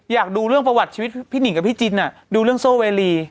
อยากดูเรื่องประวัติชีวิตพี่หนิงกับพี่จินดูเรื่องโซ่เวรี